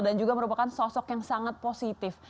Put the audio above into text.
dan juga merupakan sosok yang sangat positif